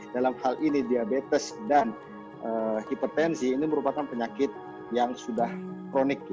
dalam hal ini diabetes dan hipertensi ini merupakan penyakit yang sudah kronik